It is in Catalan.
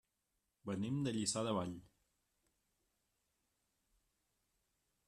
Venim de Lliçà de Vall.